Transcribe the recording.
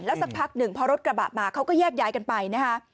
สักพักหนึ่งพอรถกระบะมาเขาก็แยกย้ายกันไปนะคะ